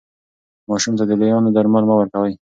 ماشوم ته د لویانو درمل مه ورکوئ.